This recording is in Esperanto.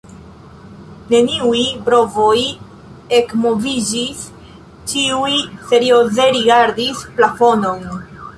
Neniuj brovoj ekmoviĝis, ĉiuj serioze rigardis plafonon.